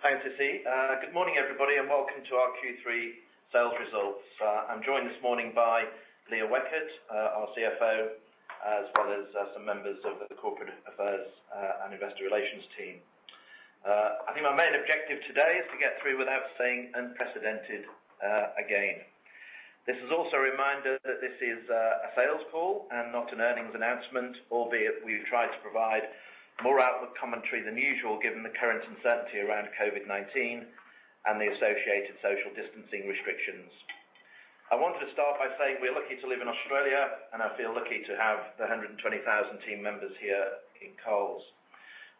Thanks, Izzy]. Good morning, everybody, and welcome to our Q3 sales results. I'm joined this morning by Leah Weckert, our CFO, as well as some members of the corporate affairs and investor relations team. I think my main objective today is to get through without saying "unprecedented" again. This is also a reminder that this is a sales call and not an earnings announcement, albeit we've tried to provide more outlook commentary than usual given the current uncertainty around COVID-19 and the associated social distancing restrictions. I wanted to start by saying we're lucky to live in Australia, and I feel lucky to have the 120,000 team members here in Coles.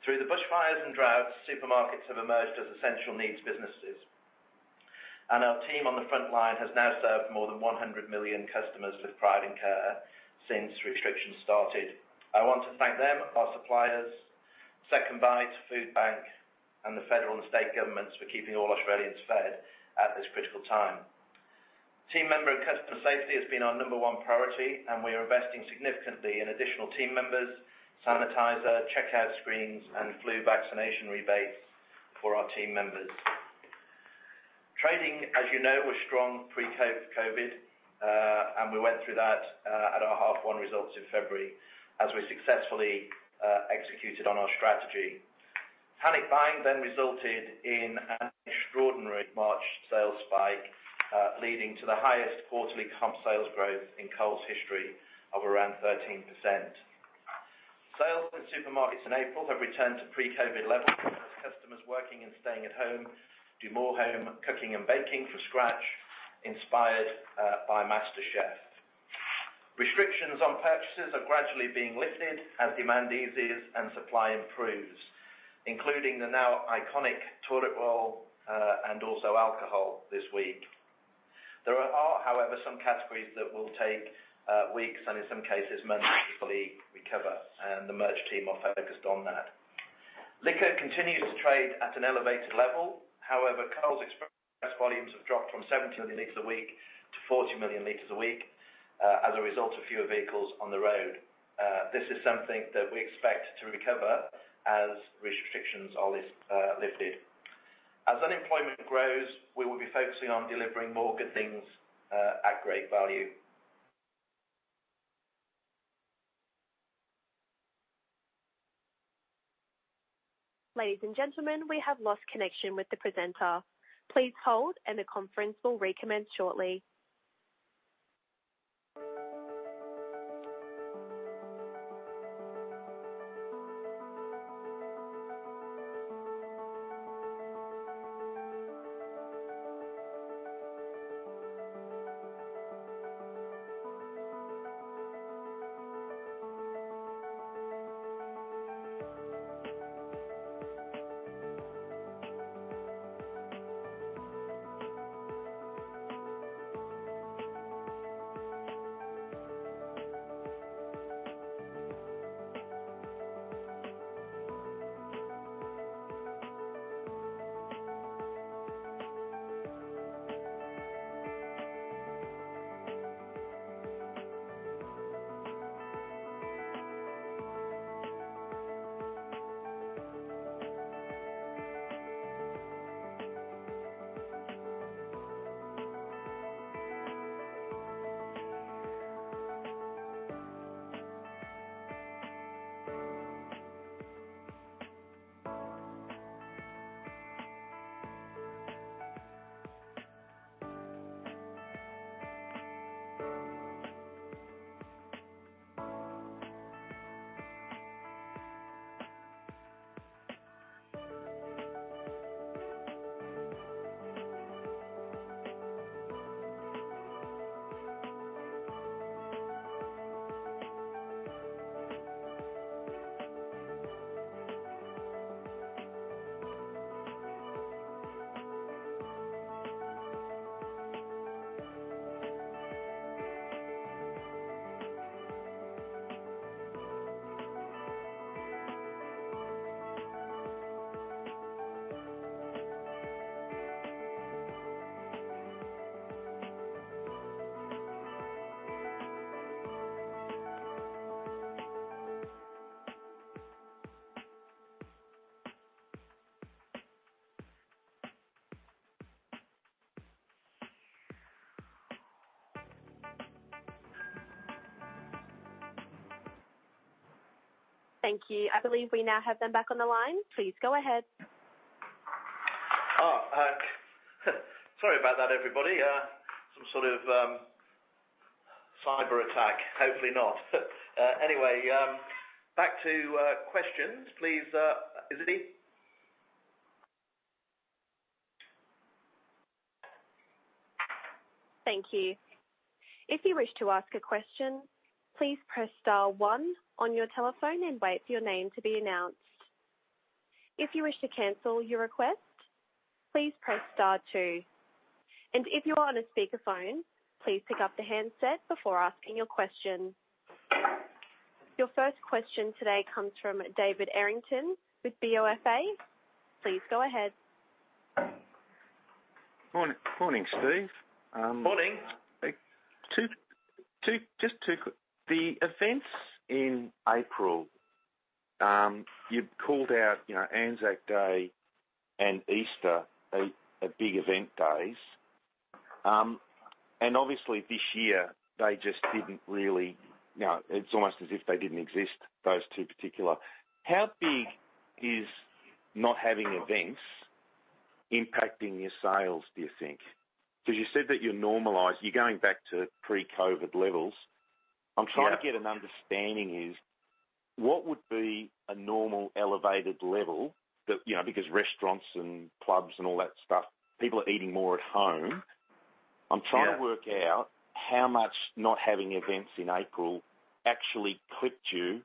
Through the bushfires and droughts, supermarkets have emerged as essential needs businesses, and our team on the front line has now served more than 100 million customers with pride and care since restrictions started. I want to thank them, our suppliers, SecondBite, Foodbank, and the federal and state governments for keeping all Australians fed at this critical time. Team member and customer safety has been our number one priority, and we are investing significantly in additional team members, sanitizer, checkout screens, and flu vaccination rebates for our team members. Trading, as you know, was strong pre-COVID, and we went through that at our half-one results in February as we successfully executed on our strategy. Panic buying then resulted in an extraordinary March sales spike, leading to the highest quarterly comp sales growth in Coles' history of around 13%. Sales in supermarkets in April have returned to pre-COVID levels, as customers working and staying at home do more home cooking and baking from scratch, inspired by MasterChef. Restrictions on purchases are gradually being lifted as demand eases and supply improves, including the now iconic toilet roll and also alcohol this week. There are, however, some categories that will take weeks and, in some cases, months to fully recover, and the merch team are focused on that. Liquor continues to trade at an elevated level. However, Coles Express volumes have dropped from 70 million L a week to 40 million L a week as a result of fewer vehicles on the road. This is something that we expect to recover as restrictions are lifted. As unemployment grows, we will be focusing on delivering more good things at great value. Ladies and gentlemen, we have lost connection with the presenter. Please hold, and the conference will recommence shortly. Thank you. I believe we now have them back on the line. Please go ahead. Oh, sorry about that, everybody. Some sort of cyber attack. Hopefully not. Anyway, back to questions. Please, [Izzy]. Thank you. If you wish to ask a question, please press star one on your telephone and wait for your name to be announced. If you wish to cancel your request, please press star two, and if you are on a speakerphone, please pick up the handset before asking your question. Your first question today comes from David Errington with BofA. Please go ahead. Morning, Steve. Morning. Just two. The events in April, you called out Anzac Day and Easter, the big event days. And obviously, this year, they just didn't really. It's almost as if they didn't exist, those two particular. How big is not having events impacting your sales, do you think? Because you said that you're normalized, you're going back to pre-COVID levels. I'm trying to get an understanding is what would be a normal elevated level because restaurants and clubs and all that stuff, people are eating more at home. I'm trying to work out how much not having events in April actually clipped you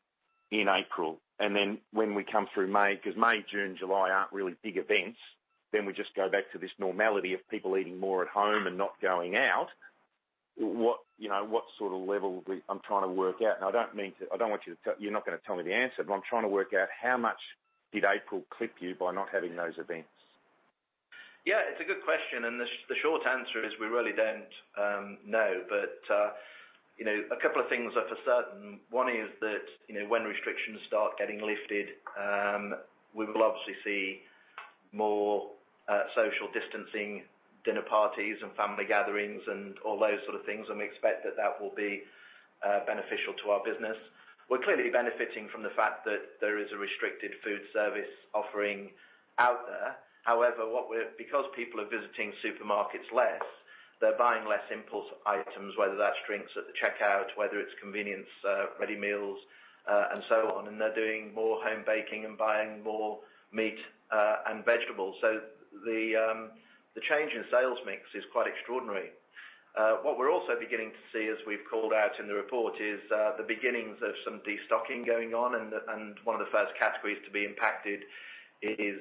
in April. And then when we come through May, because May, June, July aren't really big events, then we just go back to this normality of people eating more at home and not going out. What sort of level I'm trying to work out? I don't mean to. I don't want you to. You're not going to tell me the answer, but I'm trying to work out how much did April clip you by not having those events? Yeah, it's a good question, and the short answer is we really don't know, but a couple of things are for certain. One is that when restrictions start getting lifted, we will obviously see more social distancing, dinner parties, and family gatherings, and all those sort of things, and we expect that that will be beneficial to our business. We're clearly benefiting from the fact that there is a restricted food service offering out there. However, because people are visiting supermarkets less, they're buying less impulse items, whether that's drinks at the checkout, whether it's convenience-ready meals, and so on, and they're doing more home baking and buying more meat and vegetables, so the change in sales mix is quite extraordinary. What we're also beginning to see as we've called out in the report is the beginnings of some destocking going on. And one of the first categories to be impacted is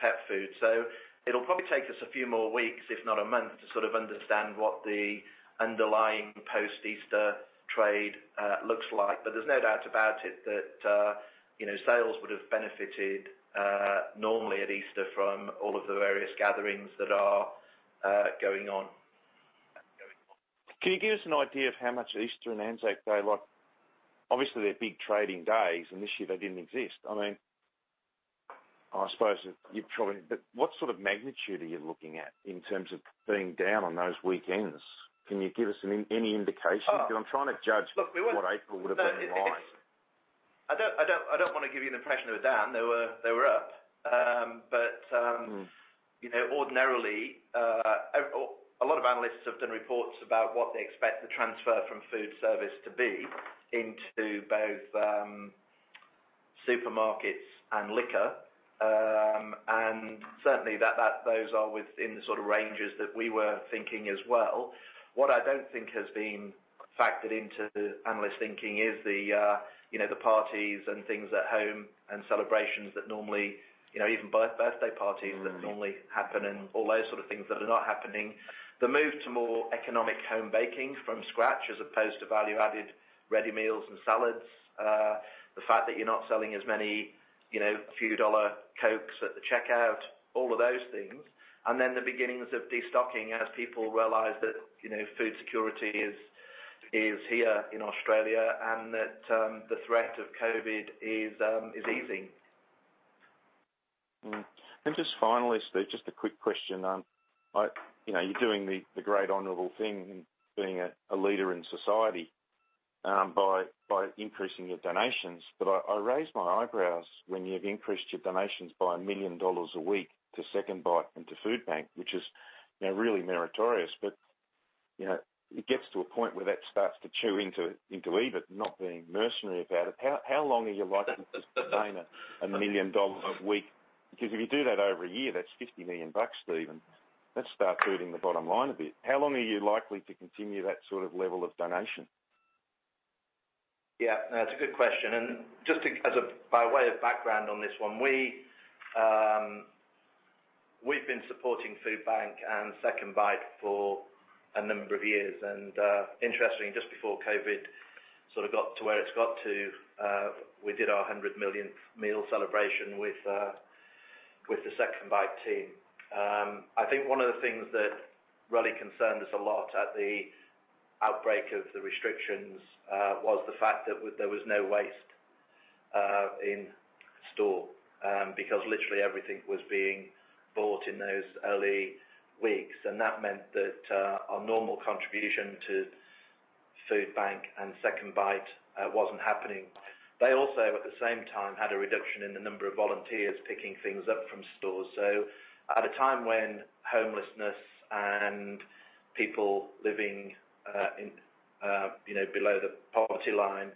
pet food. So it'll probably take us a few more weeks, if not a month, to sort of understand what the underlying post-Easter trade looks like. But there's no doubt about it that sales would have benefited normally at Easter from all of the various gatherings that are going on. Can you give us an idea of how much Easter and Anzac Day like? Obviously, they're big trading days, and this year they didn't exist. I mean, I suppose you probably, what sort of magnitude are you looking at in terms of being down on those weekends? Can you give us any indication? Because I'm trying to judge what April would have been like. Look, I don't want to give you the impression they were down. They were up, but ordinarily, a lot of analysts have done reports about what they expect the transfer from food service to be into both supermarkets and liquor. And certainly, those are within the sort of ranges that we were thinking as well. What I don't think has been factored into analyst thinking is the parties and things at home and celebrations that normally even birthday parties that normally happen and all those sort of things that are not happening. The move to more economic home baking from scratch as opposed to value-added ready meals and salads, the fact that you're not selling as many few-dollar Cokes at the checkout, all of those things. The beginnings of destocking as people realize that food security is here in Australia and that the threat of COVID is easing. Just finally, Steve, just a quick question. You're doing the great honorable thing of being a leader in society by increasing your donations. I raised my eyebrows when you've increased your donations by 1 million dollars a week to SecondBite and to Foodbank, which is really meritorious. It gets to a point where that starts to chew into EBIT, not being mercenary about it. How long are you likely to sustain 1 million dollars a week? Because if you do that over a year, that's 50 million bucks, Steven. That's starting to hurt the bottom line a bit. How long are you likely to continue that sort of level of donation? Yeah, that's a good question. And just by way of background on this one, we've been supporting Foodbank and SecondBite for a number of years. And interestingly, just before COVID sort of got to where it's got to, we did our 100 millionth meal celebration with the SecondBite team. I think one of the things that really concerned us a lot at the outbreak of the restrictions was the fact that there was no waste in store because literally everything was being bought in those early weeks. And that meant that our normal contribution to Foodbank and SecondBite wasn't happening. They also, at the same time, had a reduction in the number of volunteers picking things up from stores. So at a time when homelessness and people living below the poverty line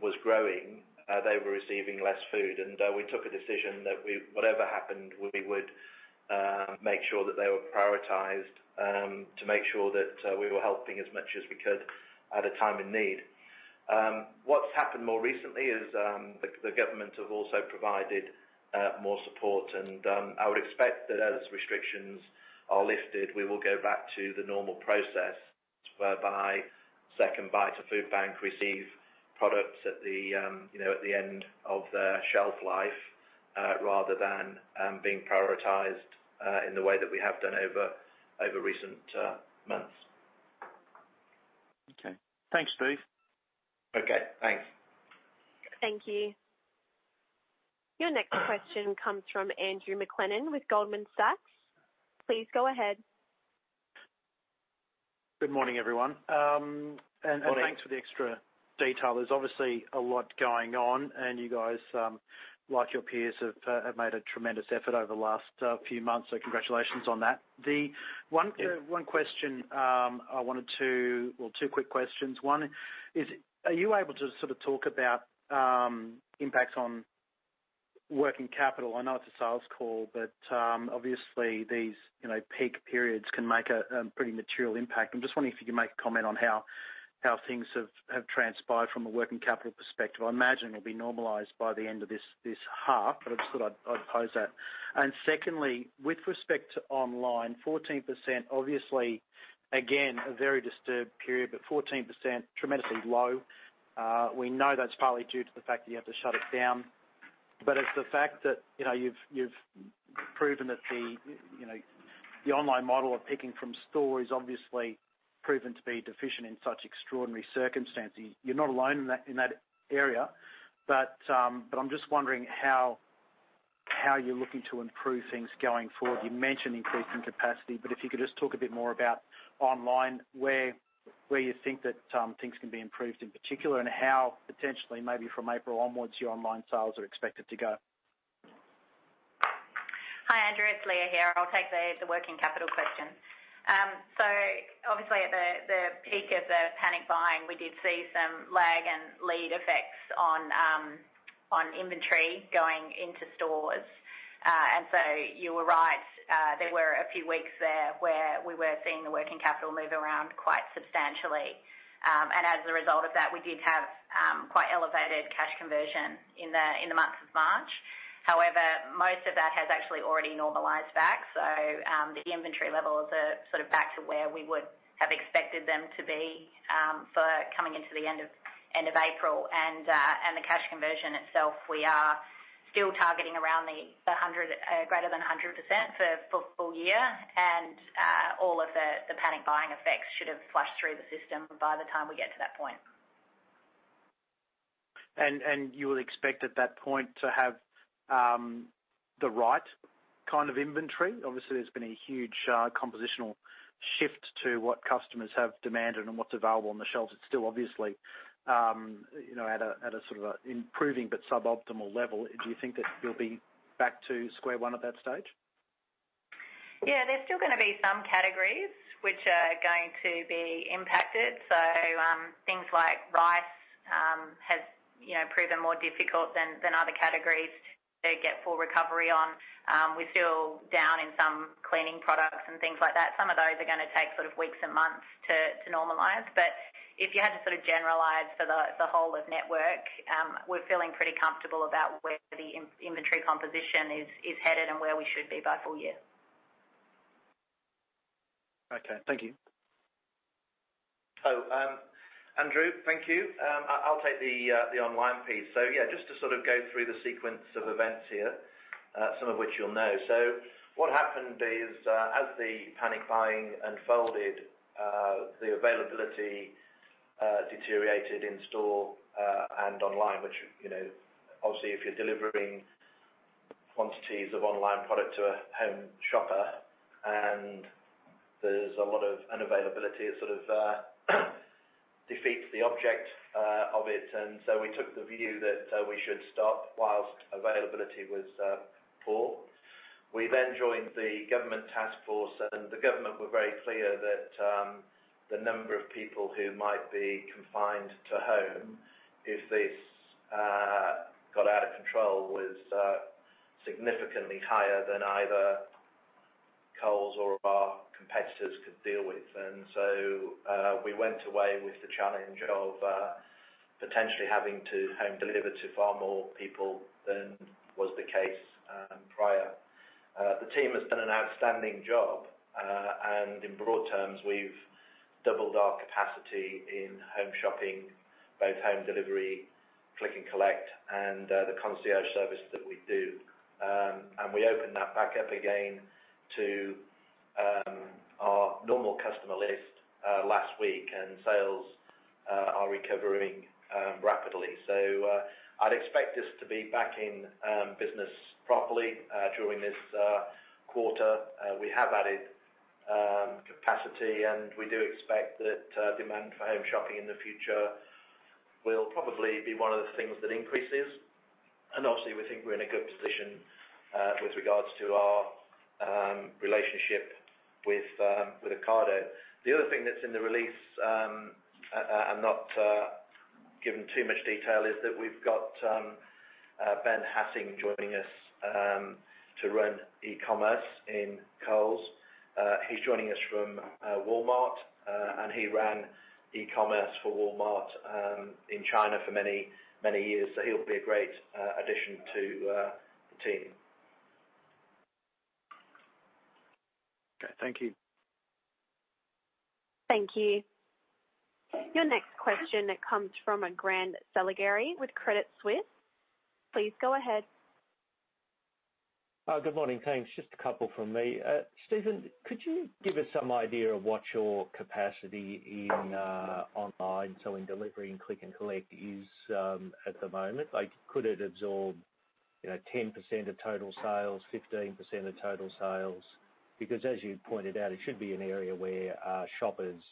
was growing, they were receiving less food. We took a decision that whatever happened, we would make sure that they were prioritized to make sure that we were helping as much as we could at a time in need. What's happened more recently is the government have also provided more support. I would expect that as restrictions are lifted, we will go back to the normal process whereby SecondBite and Foodbank receive products at the end of their shelf life rather than being prioritized in the way that we have done over recent months. Okay. Thanks, Steve. Okay. Thanks. Thank you. Your next question comes from Andrew McLennan with Goldman Sachs. Please go ahead. Good morning, everyone, and thanks for the extra detail. There's obviously a lot going on, and you guys, like your peers, have made a tremendous effort over the last few months. So congratulations on that. The one question I wanted to, well, two quick questions. One is, are you able to sort of talk about impacts on working capital? I know it's a sales call, but obviously, these peak periods can make a pretty material impact. I'm just wondering if you could make a comment on how things have transpired from a working capital perspective. I imagine it'll be normalized by the end of this half, but I just thought I'd pose that. And secondly, with respect to online, 14%, obviously, again, a very disturbed period, but 14%, tremendously low. We know that's partly due to the fact that you have to shut it down. But it's the fact that you've proven that the online model of picking from store is obviously proven to be deficient in such extraordinary circumstances. You're not alone in that area. But I'm just wondering how you're looking to improve things going forward. You mentioned increasing capacity, but if you could just talk a bit more about online, where you think that things can be improved in particular, and how potentially, maybe from April onwards, your online sales are expected to go. Hi, Andrew, it's Leah here. I'll take the working capital question. So obviously, at the peak of the panic buying, we did see some lag and lead effects on inventory going into stores. And so you were right. There were a few weeks there where we were seeing the working capital move around quite substantially. And as a result of that, we did have quite elevated cash conversion in the month of March. However, most of that has actually already normalized back. So the inventory levels are sort of back to where we would have expected them to be for coming into the end of April. And the cash conversion itself, we are still targeting around greater than 100% for full year. And all of the panic buying effects should have flushed through the system by the time we get to that point. And you would expect at that point to have the right kind of inventory? Obviously, there's been a huge compositional shift to what customers have demanded and what's available on the shelves. It's still obviously at a sort of improving but suboptimal level. Do you think that you'll be back to square one at that stage? Yeah, there's still going to be some categories which are going to be impacted. So things like rice has proven more difficult than other categories to get full recovery on. We're still down in some cleaning products and things like that. Some of those are going to take sort of weeks and months to normalize. But if you had to sort of generalize for the whole of network, we're feeling pretty comfortable about where the inventory composition is headed and where we should be by full year. Okay. Thank you. So, Andrew, thank you. I'll take the online piece. So yeah, just to sort of go through the sequence of events here, some of which you'll know. So what happened is as the panic buying unfolded, the availability deteriorated in store and online, which obviously, if you're delivering quantities of online product to a home shopper and there's a lot of unavailability, it sort of defeats the object of it. And so we took the view that we should stop whilst availability was poor. We then joined the government task force, and the government were very clear that the number of people who might be confined to home if this got out of control was significantly higher than either Coles or our competitors could deal with. And so we went away with the challenge of q having to home deliver to far more people than was the case prior. The team has done an outstanding job. And in broad terms, we've doubled our capacity in home shopping, both home delivery, Click & Collect, and the concierge service that we do. And we opened that back up again to our normal customer list last week, and sales are recovering rapidly. So I'd expect us to be back in business properly during this quarter. We have added capacity, and we do expect that demand for home shopping in the future will probably be one of the things that increases. And obviously, we think we're in a good position with regards to our relationship with Ocado. The other thing that's in the release, I'm not giving too much detail, is that we've got Ben Hassing joining us to run e-commerce in Coles. He's joining us from Walmart, and he ran e-commerce for Walmart in China for many years. So he'll be a great addition to the team. Okay. Thank you. Thank you. Your next question comes from Grant Saligari with Credit Suisse. Please go ahead. Good morning. Thanks. Just a couple from me. Steven, could you give us some idea of what your capacity in online, so in delivery and Click & Collect, is at the moment? Could it absorb 10% of total sales, 15% of total sales? Because as you pointed out, it should be an area where shoppers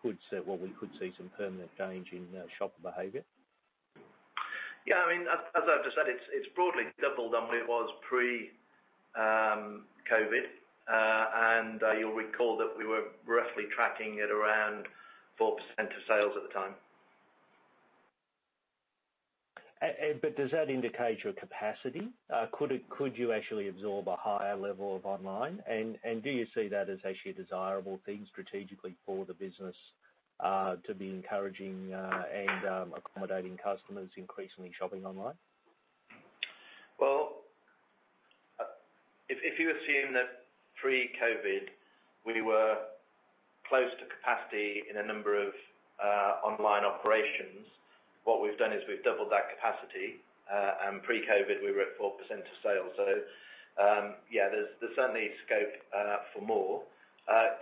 could see some permanent change in shopper behavior. Yeah. I mean, as I've just said, it's broadly doubled on what it was pre-COVID. And you'll recall that we were roughly tracking at around 4% of sales at the time. But does that indicate your capacity? Could you actually absorb a higher level of online? And do you see that as actually a desirable thing strategically for the business to be encouraging and accommodating customers increasingly shopping online? If you assume that pre-COVID, we were close to capacity in a number of online operations, what we've done is we've doubled that capacity, and pre-COVID, we were at 4% of sales, so yeah, there's certainly scope for more.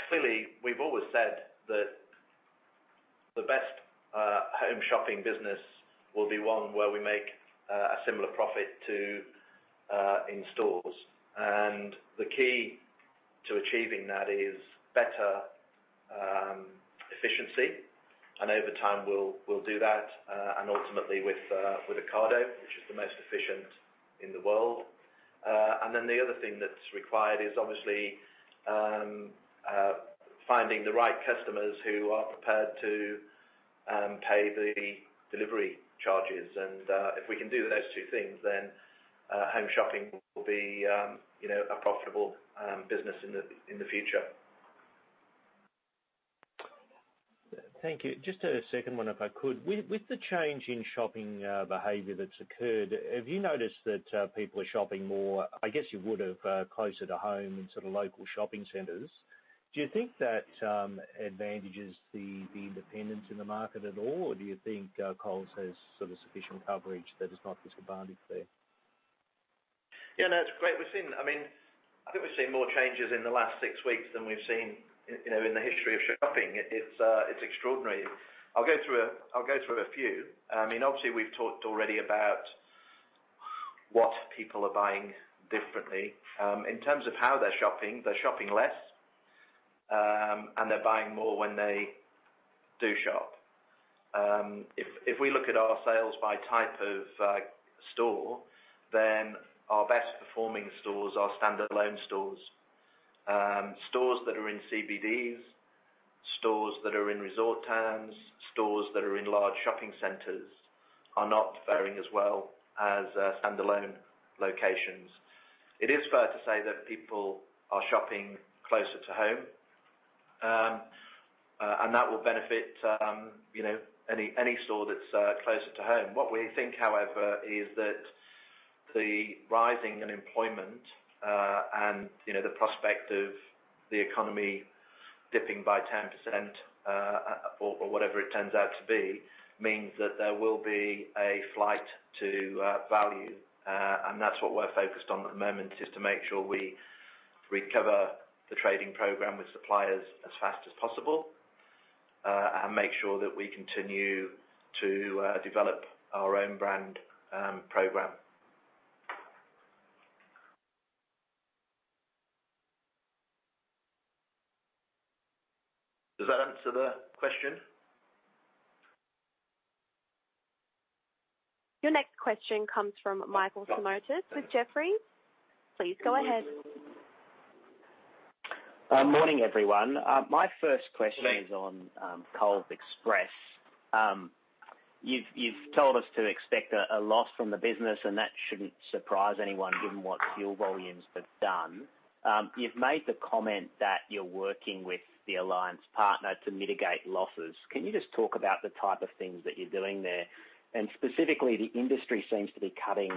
Clearly, we've always said that the best home shopping business will be one where we make a similar profit to in stores, and the key to achieving that is better efficiency, and over time, we'll do that, and ultimately, with Ocado, which is the most efficient in the world, and then the other thing that's required is obviously finding the right customers who are prepared to pay the delivery charges, and if we can do those two things, then home shopping will be a profitable business in the future. Thank you. Just a second one, if I could. With the change in shopping behavior that's occurred, have you noticed that people are shopping more? I guess you would have closer to home in sort of local shopping centers. Do you think that advantages the independents in the market at all, or do you think Coles has sort of sufficient coverage that it's not disadvantaged there? Yeah, no, it's great. I mean, I think we've seen more changes in the last six weeks than we've seen in the history of shopping. It's extraordinary. I'll go through a few. I mean, obviously, we've talked already about what people are buying differently. In terms of how they're shopping, they're shopping less, and they're buying more when they do shop. If we look at our sales by type of store, then our best-performing stores are standalone stores. Stores that are in CBDs, stores that are in resort towns, stores that are in large shopping centers are not faring as well as standalone locations. It is fair to say that people are shopping closer to home, and that will benefit any store that's closer to home. What we think, however, is that the rising unemployment and the prospect of the economy dipping by 10% or whatever it turns out to be means that there will be a flight to value, and that's what we're focused on at the moment, is to make sure we recover the trading program with suppliers as fast as possible and make sure that we continue to develop our own brand program. Does that answer the question? Your next question comes from Michael Simotas with Jefferies. Please go ahead. Morning, everyone. My first question is on Coles Express. You've told us to expect a loss from the business, and that shouldn't surprise anyone given what fuel volumes have done. You've made the comment that you're working with the alliance partner to mitigate losses. Can you just talk about the type of things that you're doing there? And specifically, the industry seems to be cutting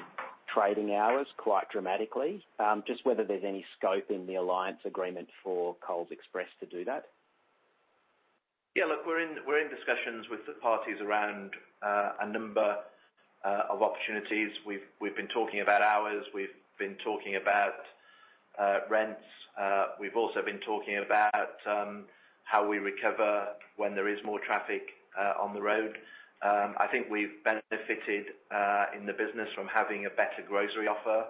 trading hours quite dramatically. Just whether there's any scope in the alliance agreement for Coles Express to do that? Yeah, look, we're in discussions with the parties around a number of opportunities. We've been talking about hours. We've been talking about rents. We've also been talking about how we recover when there is more traffic on the road. I think we've benefited in the business from having a better grocery offer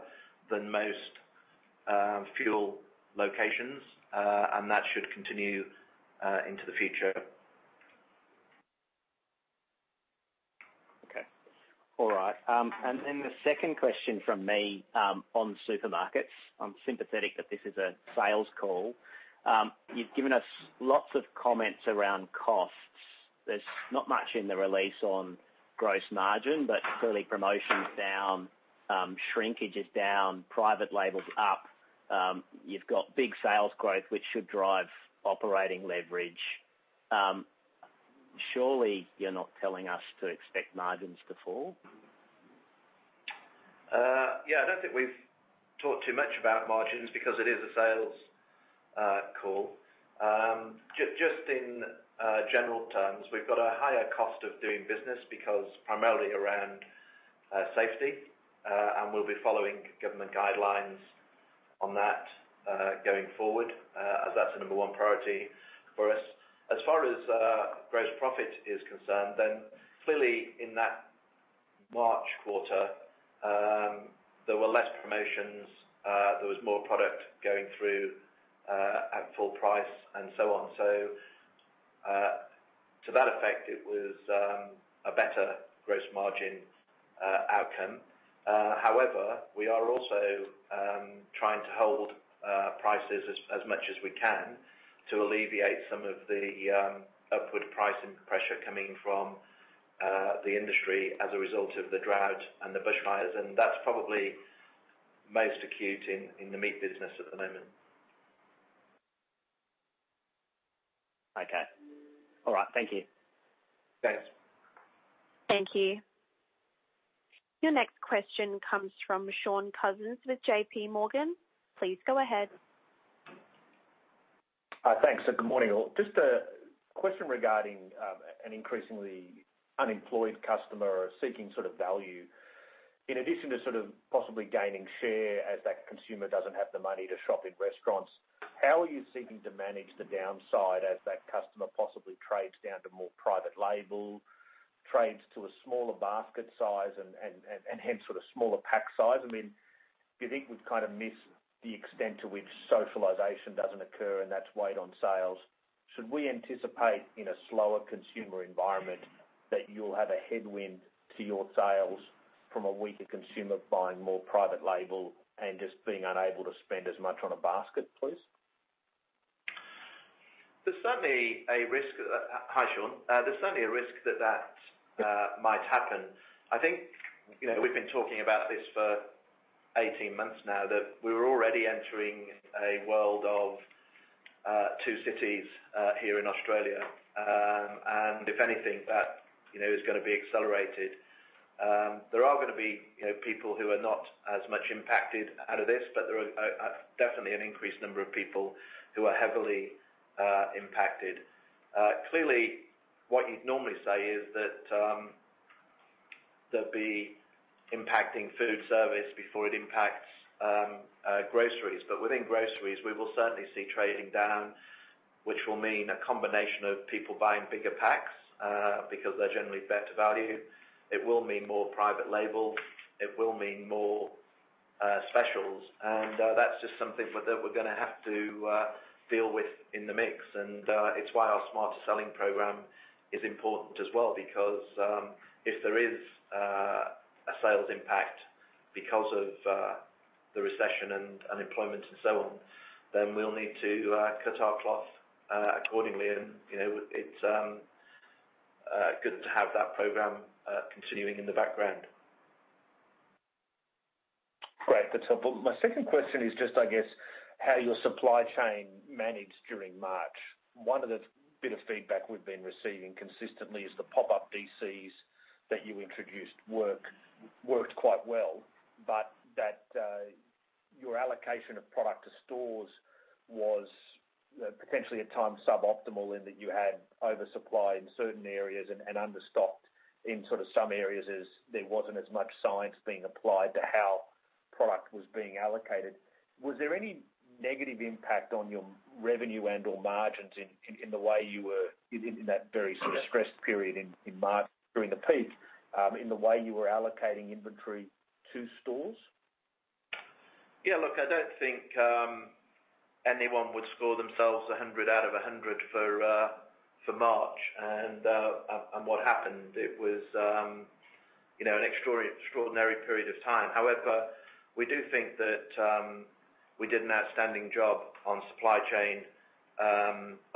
than most fuel locations, and that should continue into the future. Okay. All right. And then the second question from me on supermarkets. I'm sympathetic that this is a sales call. You've given us lots of comments around costs. There's not much in the release on gross margin, but clearly promotion's down, shrinkage is down, private labels up. You've got big sales growth, which should drive operating leverage. Surely, you're not telling us to expect margins to fall? Yeah, I don't think we've talked too much about margins because it is a sales call. Just in general terms, we've got a higher cost of doing business because primarily around safety, and we'll be following government guidelines on that going forward, as that's the number one priority for us. As far as gross profit is concerned, then clearly in that March quarter, there were less promotions. There was more product going through at full price and so on, so to that effect, it was a better gross margin outcome. However, we are also trying to hold prices as much as we can to alleviate some of the upward pricing pressure coming from the industry as a result of the drought and the bushfires, and that's probably most acute in the meat business at the moment. Okay. All right. Thank you. Thanks. Thank you. Your next question comes from Shaun Cousins with JPMorgan. Please go ahead. Hi, thanks. Good morning, all. Just a question regarding an increasingly unemployed customer seeking sort of value. In addition to sort of possibly gaining share as that consumer doesn't have the money to shop in restaurants, how are you seeking to manage the downside as that customer possibly trades down to more private label, trades to a smaller basket size, and hence sort of smaller pack size? I mean, do you think we've kind of missed the extent to which socialization doesn't occur and that's weighed on sales? Should we anticipate in a slower consumer environment that you'll have a headwind to your sales from a weaker consumer buying more private label and just being unable to spend as much on a basket, please? There's certainly a risk. Hi, Shaun. There's certainly a risk that that might happen. I think we've been talking about this for 18 months now, that we're already entering a world of two cities here in Australia. And if anything, that is going to be accelerated. There are going to be people who are not as much impacted out of this, but there are definitely an increased number of people who are heavily impacted. Clearly, what you'd normally say is that there'll be impacting food service before it impacts groceries. But within groceries, we will certainly see trading down, which will mean a combination of people buying bigger packs because they're generally better valued. It will mean more private label. It will mean more specials. And that's just something that we're going to have to deal with in the mix. It's why our Smarter Selling program is important as well because if there is a sales impact because of the recession and unemployment and so on, then we'll need to cut our cloth accordingly. It's good to have that program continuing in the background. Great. That's helpful. My second question is just, I guess, how your supply chain managed during March? One of the bits of feedback we've been receiving consistently is the pop-up DCs that you introduced worked quite well, but that your allocation of product to stores was potentially at times suboptimal in that you had oversupply in certain areas and understocked in sort of some areas as there wasn't as much science being applied to how product was being allocated. Was there any negative impact on your revenue and/or margins in the way you were in that very sort of stressed period in March during the peak in the way you were allocating inventory to stores? Yeah, look, I don't think anyone would score themselves 100 out of 100 for March, and what happened, it was an extraordinary period of time. However, we do think that we did an outstanding job on supply chain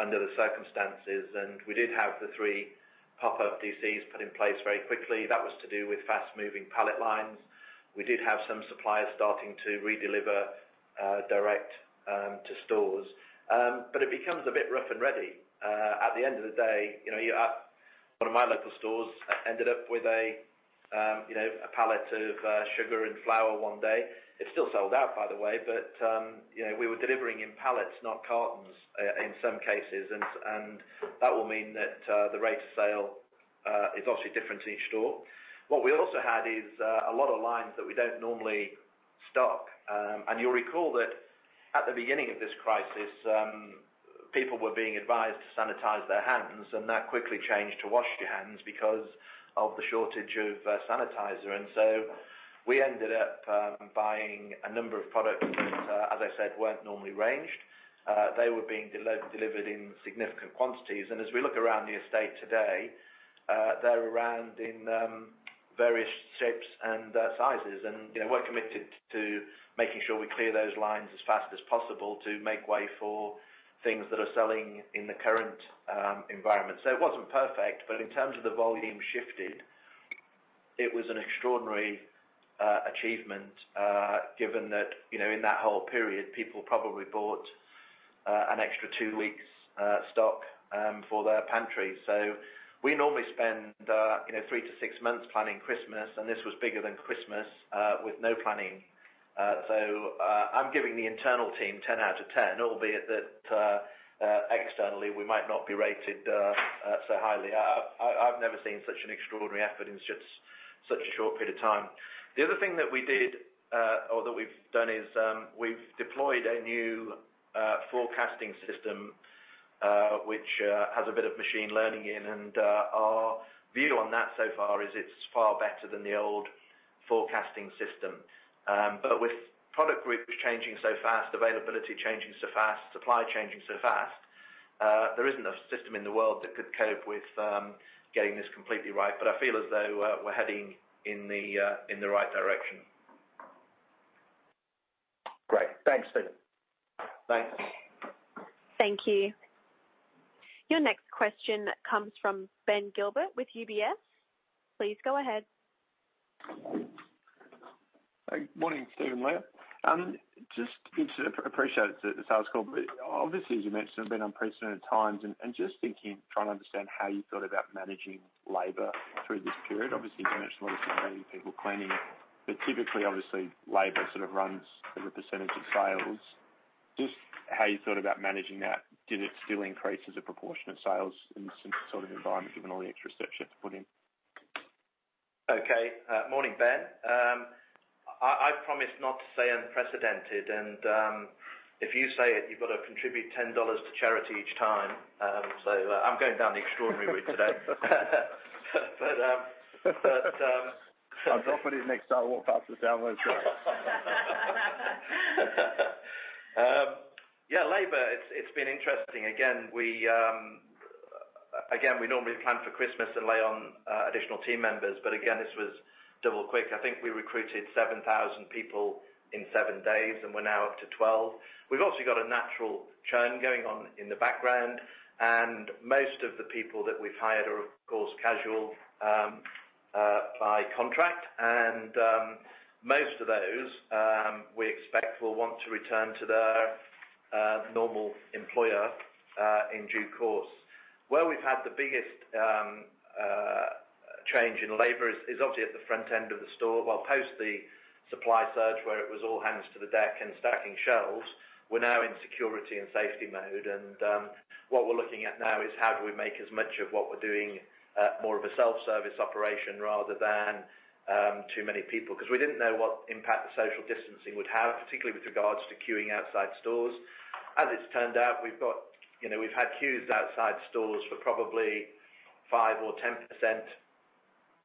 under the circumstances, and we did have the three pop-up DCs put in place very quickly. That was to do with fast-moving pallet lines. We did have some suppliers starting to redeliver direct to stores, but it becomes a bit rough and ready. At the end of the day, one of my local stores ended up with a pallet of sugar and flour one day. It still sold out, by the way, but we were delivering in pallets, not cartons in some cases, and that will mean that the rate of sale is obviously different in each store. What we also had is a lot of lines that we don't normally stock. You'll recall that at the beginning of this crisis, people were being advised to sanitize their hands, and that quickly changed to wash your hands because of the shortage of sanitizer. And so we ended up buying a number of products that, as I said, weren't normally ranged. They were being delivered in significant quantities. And as we look around the estate today, they're around in various shapes and sizes. And we're committed to making sure we clear those lines as fast as possible to make way for things that are selling in the current environment. So it wasn't perfect, but in terms of the volume shifted, it was an extraordinary achievement given that in that whole period, people probably bought an extra two weeks' stock for their pantries. So we normally spend three to six months planning Christmas, and this was bigger than Christmas with no planning. So I'm giving the internal team 10 out of 10, albeit that externally, we might not be rated so highly. I've never seen such an extraordinary effort in such a short period of time. The other thing that we did or that we've done is we've deployed a new forecasting system, which has a bit of machine learning in. And our view on that so far is it's far better than the old forecasting system. But with product groups changing so fast, availability changing so fast, supply changing so fast, there isn't a system in the world that could cope with getting this completely right. But I feel as though we're heading in the right direction. Great. Thanks, Steven. Thanks. Thank you. Your next question comes from Ben Gilbert with UBS. Please go ahead. Morning, Steven, Leah. Just appreciate the sales call. But obviously, as you mentioned, it's been unprecedented times. And just thinking, trying to understand how you thought about managing labor through this period. Obviously, you've mentioned a lot of people cleaning, but typically, obviously, labor sort of runs as a percentage of sales. Just how you thought about managing that. Did it still increase as a proportion of sales in this sort of environment given all the extra steps you have to put in? Okay. Morning, Ben. I promised not to say unprecedented. And if you say it, you've got to contribute 10 dollars to charity each time. So I'm going down the extraordinary route today. I'll drop it in next time. I'll walk past down. Yeah, labor, it's been interesting. Again, we normally plan for Christmas and lay on additional team members. But again, this was double-quick. I think we recruited 7,000 people in seven days, and we're now up to 12,000. We've obviously got a natural churn going on in the background. And most of the people that we've hired are, of course, casual by contract. And most of those we expect will want to return to their normal employer in due course. Where we've had the biggest change in labor is obviously at the front end of the store, well, post the supply surge where it was all hands to the deck and stacking shelves, we're now in security and safety mode. And what we're looking at now is how do we make as much of what we're doing more of a self-service operation rather than too many people? Because we didn't know what impact social distancing would have, particularly with regards to queuing outside stores. As it's turned out, we've had queues outside stores for probably five or 10%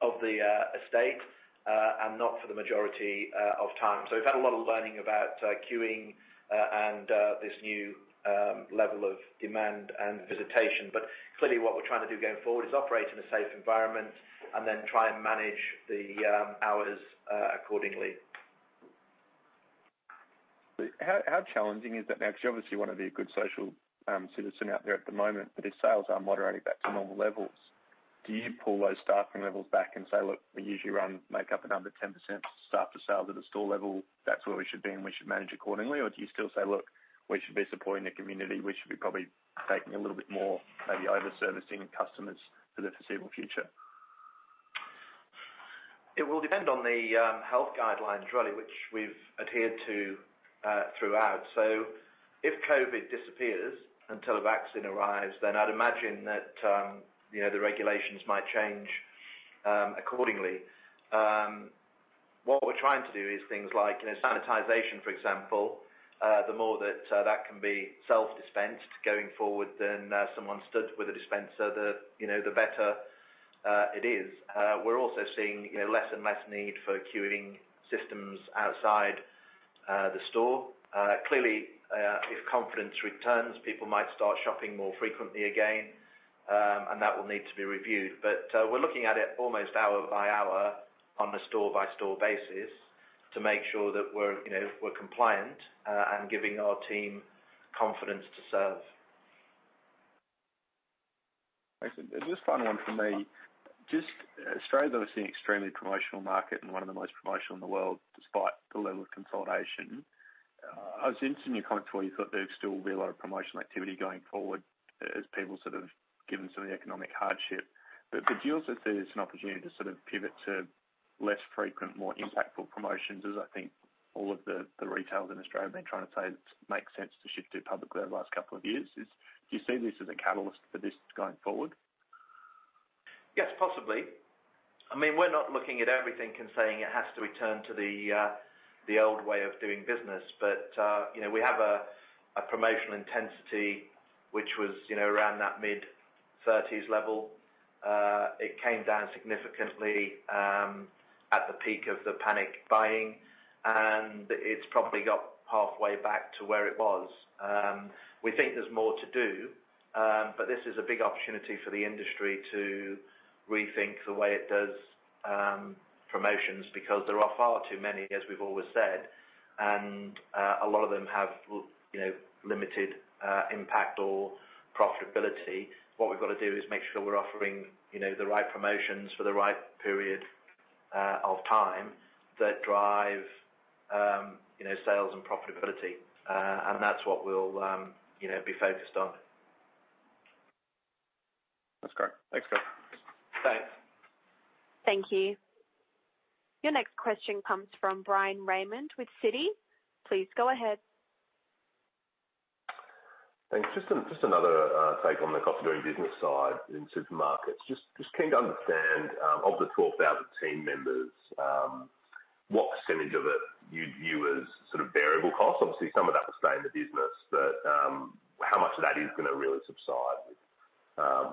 of the estate and not for the majority of time. So we've had a lot of learning about queuing and this new level of demand and visitation. But clearly, what we're trying to do going forward is operate in a safe environment and then try and manage the hours accordingly. How challenging is that? You're obviously one of the good social citizens out there at the moment, but if sales are moderating back to normal levels, do you pull those staffing levels back and say, "Look, we usually make up another 10% staff to sales at a store level. That's where we should be and we should manage accordingly"? Or do you still say, "Look, we should be supporting the community. We should be probably taking a little bit more, maybe overservicing customers for the foreseeable future"? It will depend on the health guidelines, really, which we've adhered to throughout. So if COVID disappears until a vaccine arrives, then I'd imagine that the regulations might change accordingly. What we're trying to do is things like sanitization, for example. The more that that can be self-dispensed going forward, then someone stood with a dispenser, the better it is. We're also seeing less and less need for queuing systems outside the store. Clearly, if confidence returns, people might start shopping more frequently again, and that will need to be reviewed. But we're looking at it almost hour by hour on a store-by-store basis to make sure that we're compliant and giving our team confidence to serve. Just final one for me. Just Australia, though, is an extremely promotional market and one of the most promotional in the world despite the level of consolidation. I was interested in your comments where you thought there would still be a lot of promotional activity going forward as people sort of given some of the economic hardship, but do you also see this as an opportunity to sort of pivot to less frequent, more impactful promotions, as I think all of the retailers in Australia have been trying to say it makes sense to shift to publicly over the last couple of years. Do you see this as a catalyst for this going forward? Yes, possibly. I mean, we're not looking at everything and saying it has to return to the old way of doing business. But we have a promotional intensity which was around that mid-30s level. It came down significantly at the peak of the panic buying, and it's probably got halfway back to where it was. We think there's more to do, but this is a big opportunity for the industry to rethink the way it does promotions because there are far too many, as we've always said, and a lot of them have limited impact or profitability. What we've got to do is make sure we're offering the right promotions for the right period of time that drive sales and profitability. And that's what we'll be focused on. That's great. Thanks. Thanks. Thank you. Your next question comes from Bryan Raymond with Citi. Please go ahead. Thanks. Just another take on the cost-of-doing-business side in supermarkets. Just keen to understand, of the 12,000 team members, what percentage of it you view as sort of variable costs? Obviously, some of that will stay in the business, but how much of that is going to really subside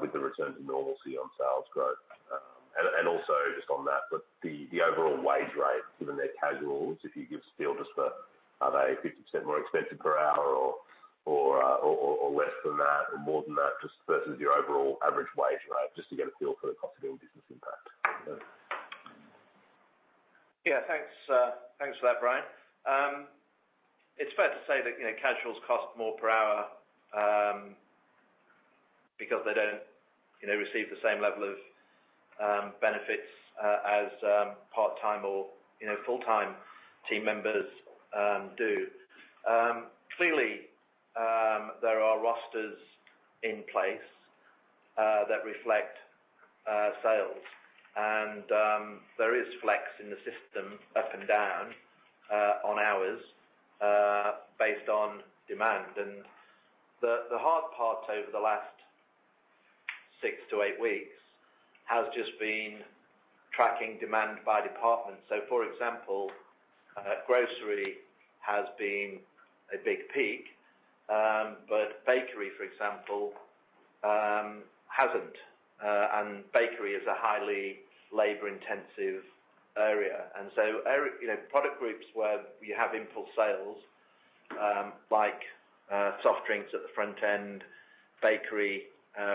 with the return to normalcy on sales growth? And also just on that, the overall wage rate, given their casuals, if you give still just the, are they 50% more expensive per hour or less than that or more than that just versus your overall average wage rate, just to get a feel for the cost of doing business impact? Yeah, thanks for that, Bryan. It's fair to say that casuals cost more per hour because they don't receive the same level of benefits as part-time or full-time team members do. Clearly, there are rosters in place that reflect sales. And there is flex in the system up and down on hours based on demand. And the hard part over the last six to eight weeks has just been tracking demand by department. So, for example, grocery has been a big peak, but bakery, for example, hasn't. And bakery is a highly labor-intensive area. And so product groups where you have impulse sales like soft drinks at the front end, bakery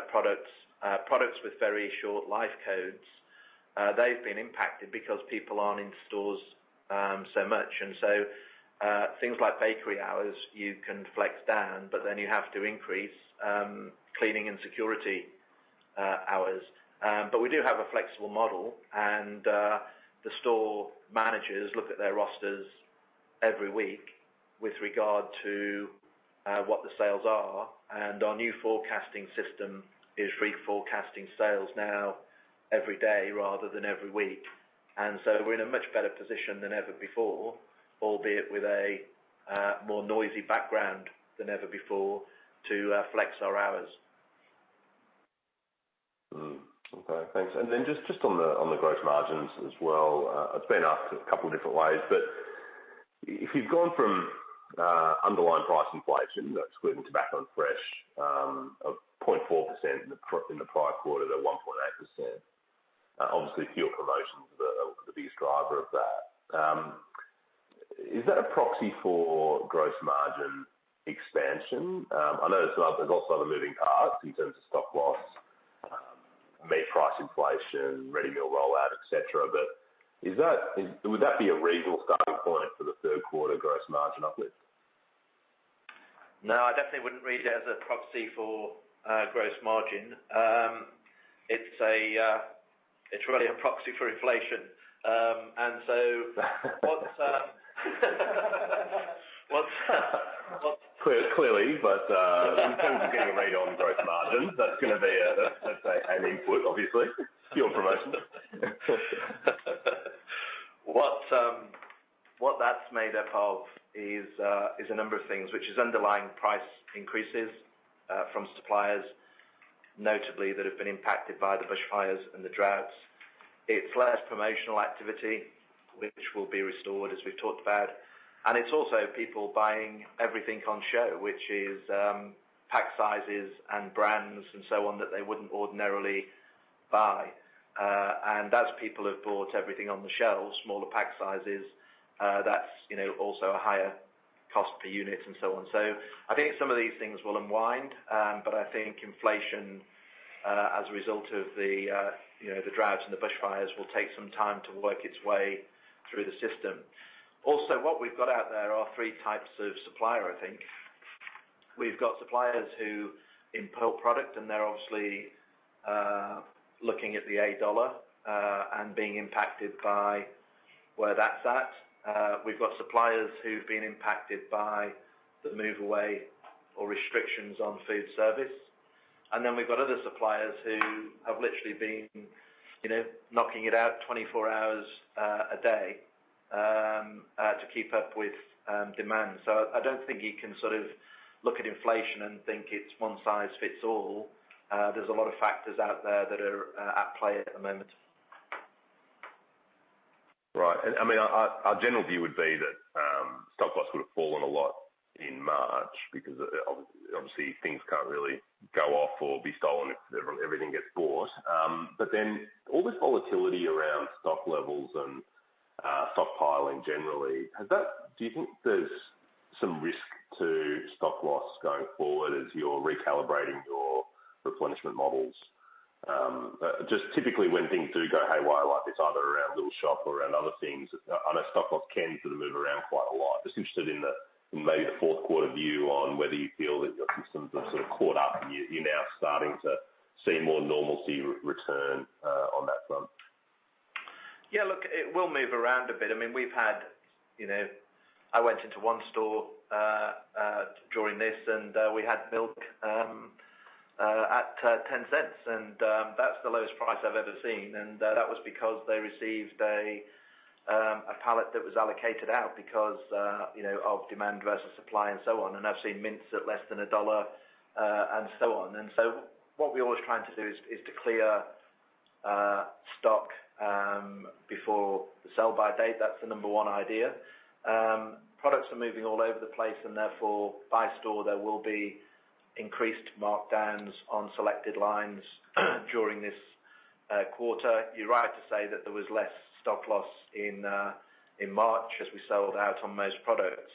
products, products with very short life codes, they've been impacted because people aren't in stores so much. And so things like bakery hours, you can flex down, but then you have to increase cleaning and security hours. But we do have a flexible model, and the store managers look at their rosters every week with regard to what the sales are. And our new forecasting system is re-forecasting sales now every day rather than every week. And so we're in a much better position than ever before, albeit with a more noisy background than ever before, to flex our hours. Okay. Thanks. And then just on the gross margins as well, it's been asked a couple of different ways. But if you've gone from underlying price inflation, that's including tobacco and fresh, of 0.4% in the prior quarter to 1.8%, obviously, fuel promotions are the biggest driver of that. Is that a proxy for gross margin expansion? I know there's also other moving parts in terms of stock loss, meat price inflation, ready meal rollout, etc. But would that be a reasonable starting point for the third quarter gross margin uplift? No, I definitely wouldn't read it as a proxy for gross margin. It's really a proxy for inflation. And so, what's? Clearly, but in terms of getting a read on gross margins, that's going to be, let's say, an input, obviously, fuel promotions. What that's made up of is a number of things, which is underlying price increases from suppliers, notably that have been impacted by the bushfires and the droughts. It's less promotional activity, which will be restored, as we've talked about, and it's also people buying everything on show, which is pack sizes and brands and so on that they wouldn't ordinarily buy, and as people have bought everything on the shelves, smaller pack sizes, that's also a higher cost per unit and so on, so I think some of these things will unwind, but I think inflation as a result of the droughts and the bushfires will take some time to work its way through the system. Also, what we've got out there are three types of supplier, I think. We've got suppliers who import product, and they're obviously looking at the AUD 8 and being impacted by where that's at. We've got suppliers who've been impacted by the move away or restrictions on food service. And then we've got other suppliers who have literally been knocking it out 24 hours a day to keep up with demand. So I don't think you can sort of look at inflation and think it's one size fits all. There's a lot of factors out there that are at play at the moment. Right. I mean, our general view would be that stock loss would have fallen a lot in March because, obviously, things can't really go off or be stolen if everything gets bought. But then all this volatility around stock levels and stockpiling generally, do you think there's some risk to stock loss going forward as you're recalibrating your replenishment models? Just typically, when things do go haywire like this, either around Little Shop or around other things, I know stock loss tends to move around quite a lot. Just interested in maybe the fourth quarter view on whether you feel that your systems have sort of caught up and you're now starting to see more normalcy return on that front. Yeah, look, it will move around a bit. I mean, we've had I went into one store during this, and we had milk at 0.10, and that's the lowest price I've ever seen. And that was because they received a pallet that was allocated out because of demand versus supply and so on. And I've seen mints at less than AUD 1 and so on. And so what we're always trying to do is to clear stock before the sell-by date. That's the number one idea. Products are moving all over the place, and therefore, by store, there will be increased markdowns on selected lines during this quarter. You're right to say that there was less stock loss in March as we sold out on most products.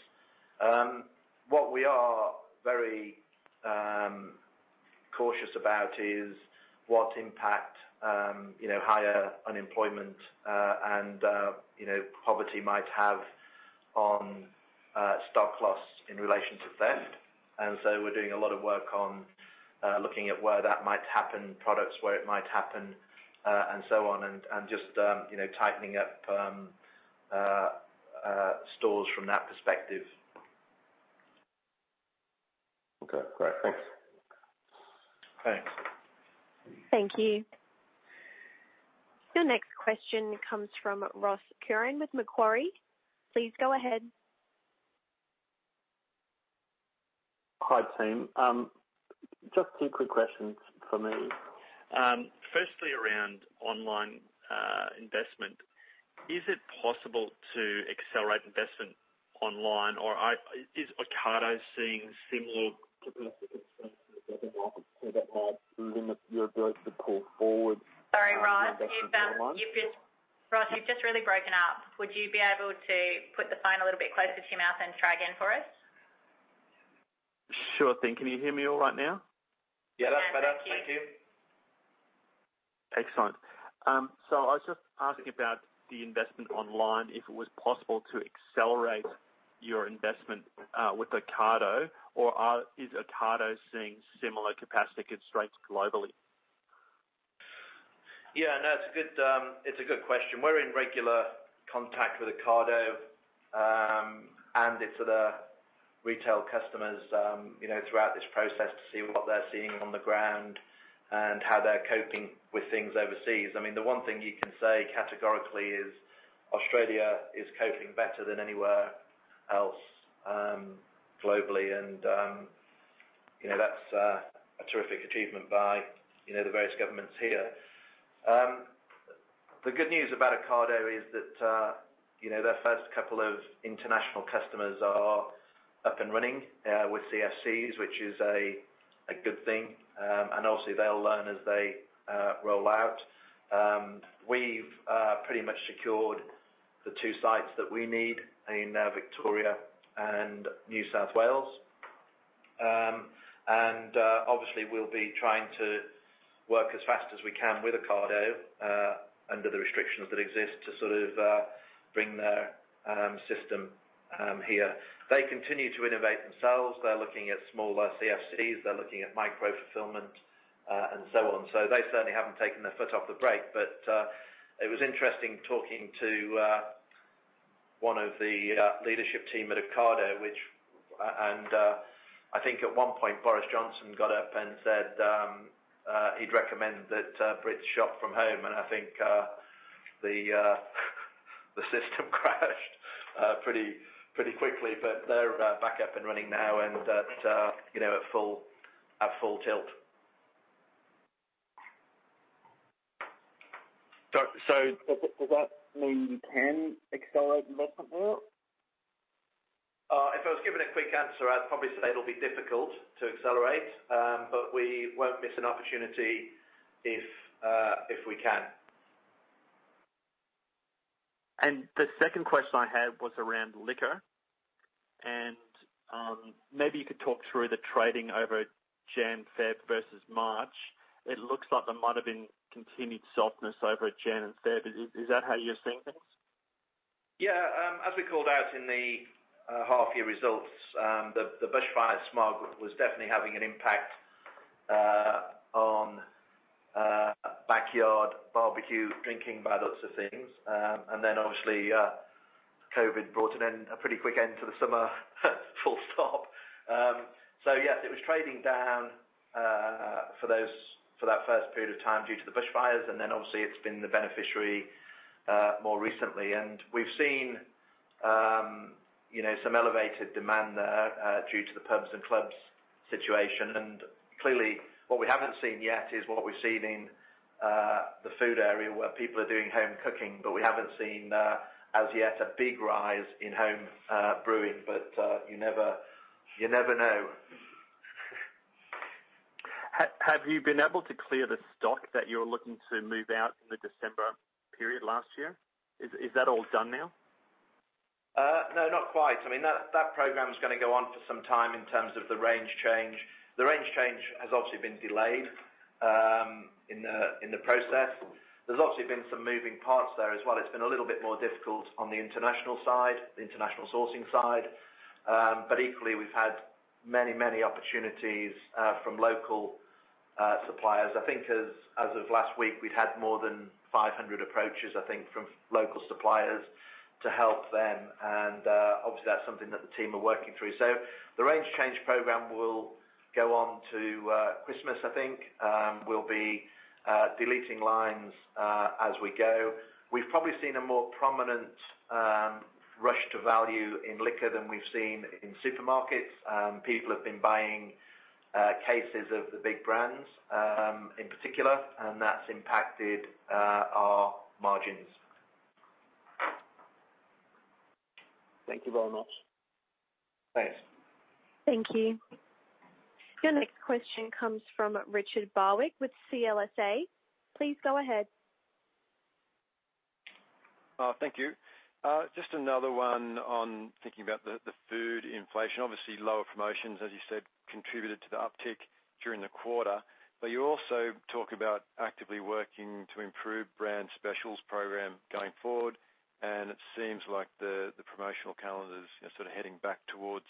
What we are very cautious about is what impact higher unemployment and poverty might have on stock loss in relation to theft. And so we're doing a lot of work on looking at where that might happen, products where it might happen, and so on, and just tightening up stores from that perspective. Okay. Great. Thanks. Thanks. Thank you. Your next question comes from Ross Curran with Macquarie. Please go ahead. Hi, team. Just two quick questions for me. Firstly, around online investment, is it possible to accelerate investment online, or is Ocado seeing similar to limit your ability to pull forward? Sorry, Ross. Ross, you've just really broken up. Would you be able to put the phone a little bit closer to your mouth and try again for us? Sure thing. Can you hear me all right now? Yeah, that's better. Thank you. Excellent. So I was just asking about the investment online, if it was possible to accelerate your investment with Ocado, or is Ocado seeing similar capacity constraints globally? Yeah, no, it's a good question. We're in regular contact with Ocado and with the retail customers throughout this process to see what they're seeing on the ground and how they're coping with things overseas. I mean, the one thing you can say categorically is Australia is coping better than anywhere else globally, and that's a terrific achievement by the various governments here. The good news about Ocado is that their first couple of international customers are up and running with CFCs, which is a good thing. Obviously, they'll learn as they roll out. We've pretty much secured the two sites that we need in Victoria and New South Wales. Obviously, we'll be trying to work as fast as we can with Ocado under the restrictions that exist to sort of bring their system here. They continue to innovate themselves. They're looking at smaller CFCs. They're looking at micro-fulfillment and so on. So they certainly haven't taken their foot off the brake. But it was interesting talking to one of the leadership team at Ocado, and I think at one point, Boris Johnson got up and said he'd recommend that Brits shop from home. And I think the system crashed pretty quickly, but they're back up and running now and at full tilt. So does that mean you can accelerate investment there? If I was given a quick answer, I'd probably say it'll be difficult to accelerate, but we won't miss an opportunity if we can. The second question I had was around liquor. Maybe you could talk through the trading over January/February versus March. It looks like there might have been continued softness over January and February. Is that how you're seeing things? Yeah. As we called out in the half-year results, the bushfire smog was definitely having an impact on backyard barbecue, drinking, by lots of things. And then, obviously, COVID brought an end, a pretty quick end to the summer full stop. So, yes, it was trading down for that first period of time due to the bushfires. And then, obviously, it's been the beneficiary more recently. And we've seen some elevated demand there due to the pubs and clubs situation. And clearly, what we haven't seen yet is what we've seen in the food area where people are doing home cooking, but we haven't seen as yet a big rise in home brewing. But you never know. Have you been able to clear the stock that you were looking to move out in the December period last year? Is that all done now? No, not quite. I mean, that program's going to go on for some time in terms of the range change. The range change has obviously been delayed in the process. There's obviously been some moving parts there as well. It's been a little bit more difficult on the international side, the international sourcing side. But equally, we've had many, many opportunities from local suppliers. I think as of last week, we'd had more than 500 approaches, I think, from local suppliers to help them. And obviously, that's something that the team are working through. So the range change program will go on to Christmas, I think. We'll be deleting lines as we go. We've probably seen a more prominent rush to value in liquor than we've seen in supermarkets. People have been buying cases of the big brands in particular, and that's impacted our margins. Thank you very much. Thanks. Thank you. Your next question comes from Richard Barwick with CLSA. Please go ahead. Thank you. Just another one on thinking about the food inflation. Obviously, lower promotions, as you said, contributed to the uptick during the quarter. But you also talk about actively working to improve brand specials program going forward. And it seems like the promotional calendar is sort of heading back towards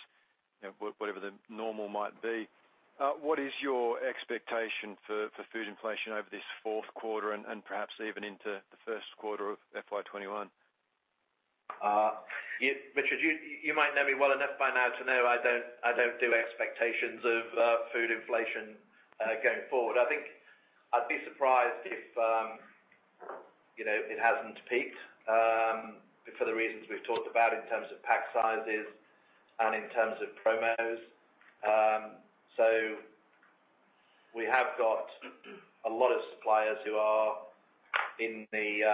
whatever the normal might be. What is your expectation for food inflation over this fourth quarter and perhaps even into the first quarter of FY 2021? Richard, you might know me well enough by now to know I don't do expectations of food inflation going forward. I think I'd be surprised if it hasn't peaked for the reasons we've talked about in terms of pack sizes and in terms of promos. So we have got a lot of suppliers who are in the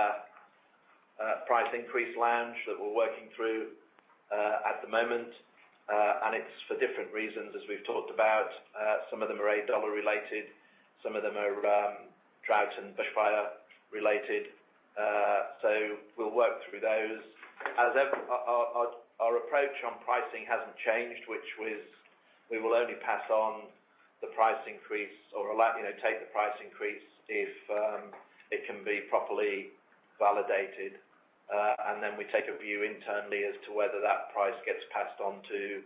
price increase lounge that we're working through at the moment. And it's for different reasons, as we've talked about. Some of them are AUD 8 related. Some of them are drought and bushfire related. So we'll work through those. Our approach on pricing hasn't changed, which was we will only pass on the price increase or take the price increase if it can be properly validated. And then we take a view internally as to whether that price gets passed on to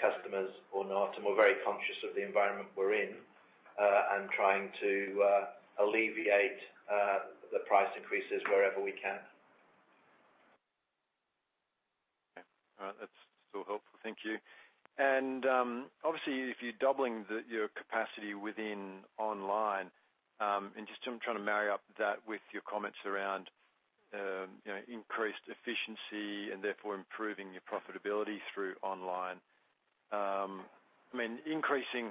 customers or not. We're very conscious of the environment we're in and trying to alleviate the price increases wherever we can. All right. That's so helpful. Thank you. And obviously, if you're doubling your capacity within online, and just trying to marry up that with your comments around increased efficiency and therefore improving your profitability through online. I mean, increasing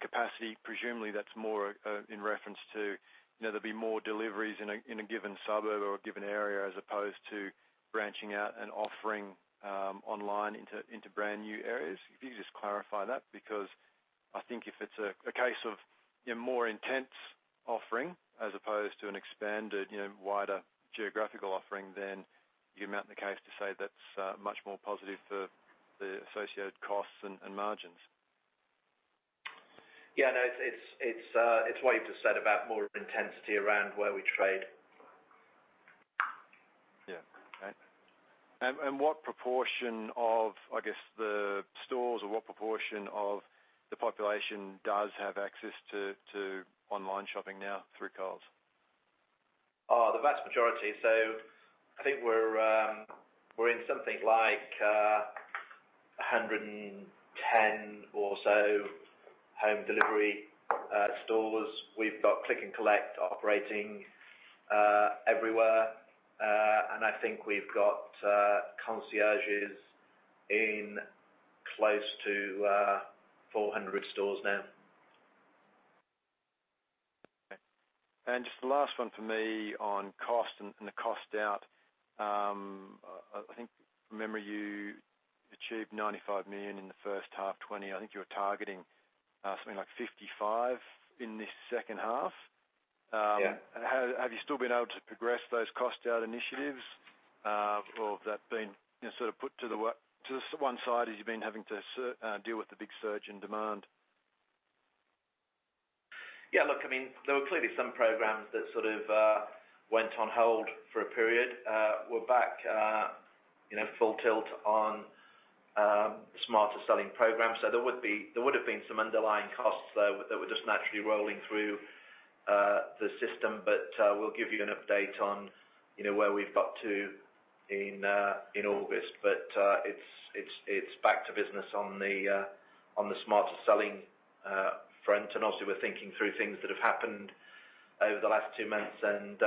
capacity, presumably that's more in reference to there'll be more deliveries in a given suburb or a given area as opposed to branching out and offering online into brand new areas. If you could just clarify that, because I think if it's a case of more intense offering as opposed to an expanded, wider geographical offering, then you can mount the case to say that's much more positive for the associated costs and margins. Yeah, no, it's what you've just said about more intensity around where we trade. Yeah. Okay. And what proportion of, I guess, the stores or what proportion of the population does have access to online shopping now through Coles? The vast majority, so I think we're in something like 110 or so home delivery stores. We've got Click & Collect operating everywhere, and I think we've got concierges in close to 400 stores now. Okay. And just the last one for me on cost and the cost out. I think, remember, you achieved 95 million in the first half 2020. I think you were targeting something like 55 million in this second half. Have you still been able to progress those cost-out initiatives, or have that been sort of put to the one side as you've been having to deal with the big surge in demand? Yeah, look, I mean, there were clearly some programs that sort of went on hold for a period. We're back full tilt on the Smarter Selling program. So there would have been some underlying costs there that were just naturally rolling through the system. But we'll give you an update on where we've got to in August. But it's back to business on the Smarter Selling front. And obviously, we're thinking through things that have happened over the last two months and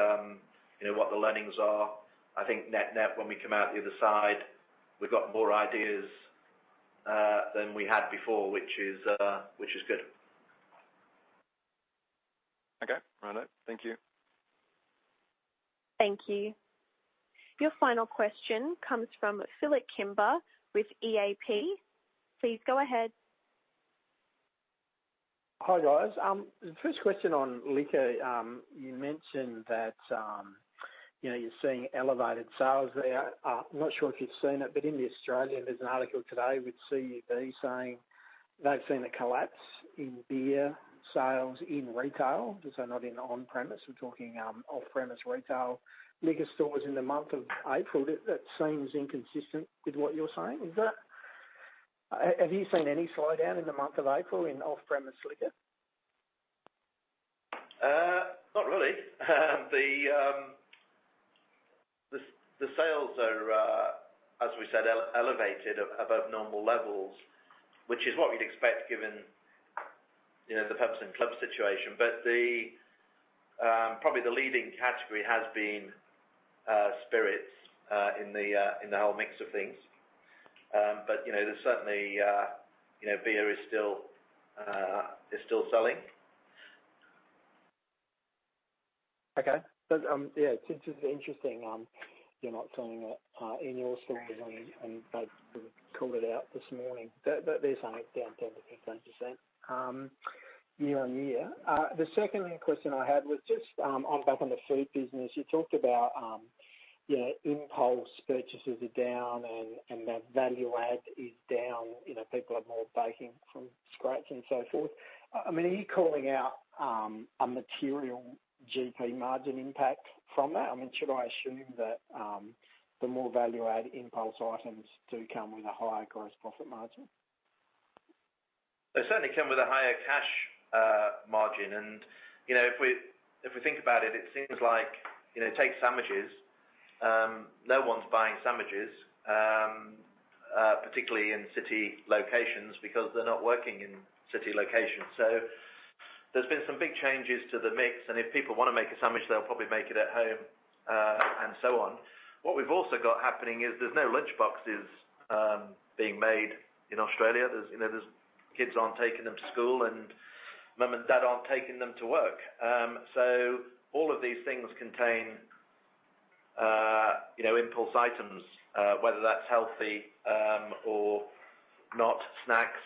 what the learnings are. I think net-net, when we come out the other side, we've got more ideas than we had before, which is good. Okay. All right. Thank you. Thank you. Your final question comes from Phillip Kimber with E&P. Please go ahead. Hi, guys. The first question on liquor, you mentioned that you're seeing elevated sales there. I'm not sure if you've seen it, but in Australia, there's an article today with CEB saying they've seen a collapse in beer sales in retail. So not in on-premise. We're talking off-premise retail liquor stores in the month of April. That seems inconsistent with what you're saying. Have you seen any slowdown in the month of April in off-premise liquor? Not really. The sales are, as we said, elevated above normal levels, which is what we'd expect given the pubs and clubs situation. But probably the leading category has been spirits in the whole mix of things. But certainly, beer is still selling. Okay. Yeah, it's interesting you're not selling it in your stores, and they've called it out this morning. They're saying it's down 10%-15% year-on-year. The second question I had was just back on the food business. You talked about impulse purchases are down and that value add is down. People are more baking from scratch and so forth. I mean, are you calling out a material GP margin impact from that? I mean, should I assume that the more value-add impulse items do come with a higher gross profit margin? They certainly come with a higher cash margin. And if we think about it, it seems like, take sandwiches. No one's buying sandwiches, particularly in city locations, because they're not working in city locations. So there's been some big changes to the mix. And if people want to make a sandwich, they'll probably make it at home and so on. What we've also got happening is there's no lunchboxes being made in Australia. There's kids aren't taking them to school, and mom and dad aren't taking them to work. So all of these things contain impulse items, whether that's healthy or not, snacks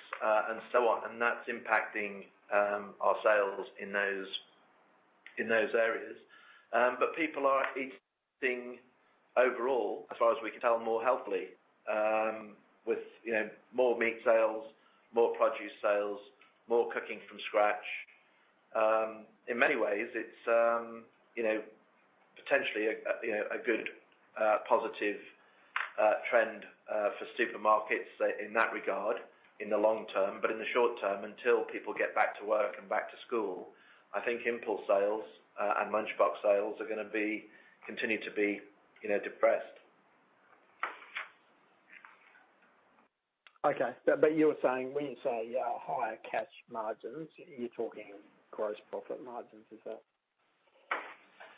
and so on. And that's impacting our sales in those areas. But people are eating overall, as far as we can tell, more healthily, with more meat sales, more produce sales, more cooking from scratch. In many ways, it's potentially a good positive trend for supermarkets in that regard in the long term. But in the short term, until people get back to work and back to school, I think impulse sales and lunchbox sales are going to continue to be depressed. Okay. But you were saying when you say higher gross margins, you're talking gross profit margins, is that?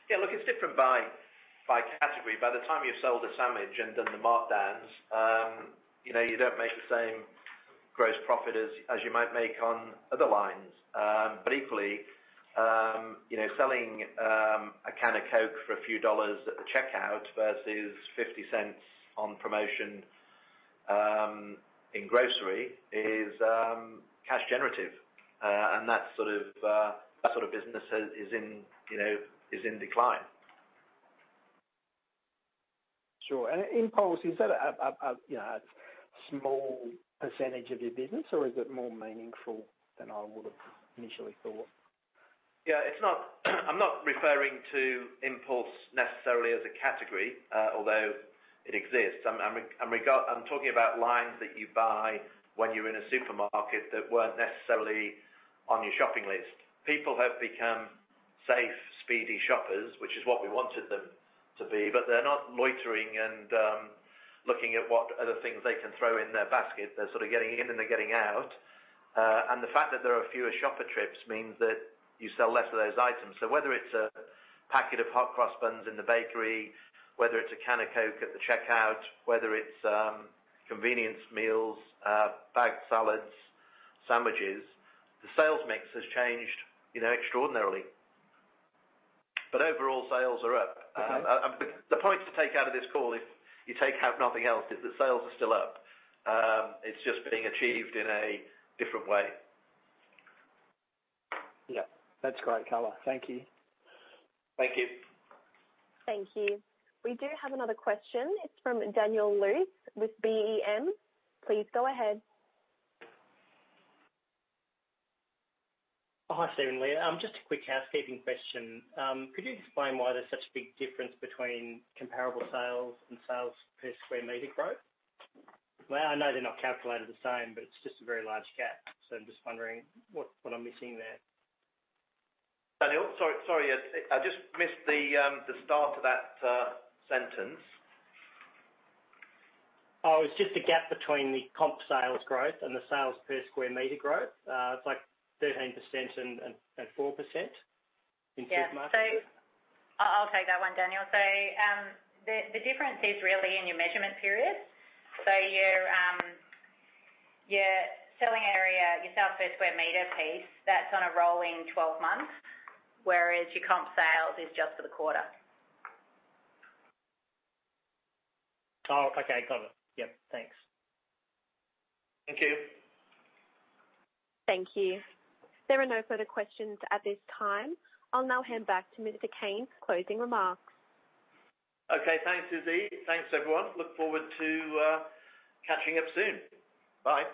Yeah. Look, it's different by category. By the time you've sold a sandwich and done the markdowns, you don't make the same gross profit as you might make on other lines. But equally, selling a can of Coke for a few dollars at the checkout versus 0.50 on promotion in grocery is cash generative. And that sort of business is in decline. Sure. And impulse, is that a small percentage of your business, or is it more meaningful than I would have initially thought? Yeah. I'm not referring to impulse necessarily as a category, although it exists. I'm talking about lines that you buy when you're in a supermarket that weren't necessarily on your shopping list. People have become safe, speedy shoppers, which is what we wanted them to be. But they're not loitering and looking at what other things they can throw in their basket. They're sort of getting in and they're getting out. And the fact that there are fewer shopper trips means that you sell less of those items. So whether it's a packet of hot cross buns in the bakery, whether it's a can of Coke at the checkout, whether it's convenience meals, bagged salads, sandwiches, the sales mix has changed extraordinarily. But overall, sales are up. The point to take out of this call, if you take out nothing else, is that sales are still up. It's just being achieved in a different way. Yeah. That's great color. Thank you. Thank you. Thank you. We do have another question. It's from Daniel Luth with BEM. Please go ahead. Hi, Steven and Leah. Just a quick housekeeping question. Could you explain why there's such a big difference between comparable sales and sales per sq m growth? Well, I know they're not calculated the same, but it's just a very large gap. So I'm just wondering what I'm missing there. Daniel? Sorry. I just missed the start of that sentence. Oh, it's just the gap between the comp sales growth and the sales per sq m growth. It's like 13% and 4% in supermarkets. Yeah. So I'll take that one, Daniel. So the difference is really in your measurement period. So your selling area, your sales per sq m piece, that's on a rolling 12 months, whereas your comp sales is just for the quarter. Oh, okay. Got it. Yep. Thanks. Thank you. Thank you. There are no further questions at this time. I'll now hand back to Mr. Cain for closing remarks. Okay. Thanks, [Izzy]. Thanks, everyone. Look forward to catching up soon. Bye.